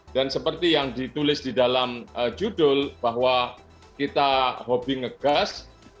dan seperti yang ditulis di dalam judul bahwa kita hobi ngegas